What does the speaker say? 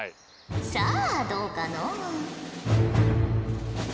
さあどうかのう？